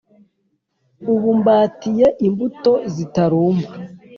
Ubumbatiye imbuto zitarumba